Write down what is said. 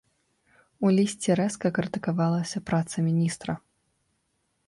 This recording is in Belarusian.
У лісце рэзка крытыкавалася праца міністра.